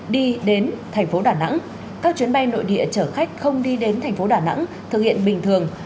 đi đến thành phố đà nẵng các chuyến bay nội địa chở khách không đi đến thành phố đà nẵng thực hiện bình thường